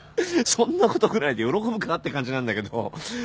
そんなことぐらいで喜ぶかって感じなんだけど。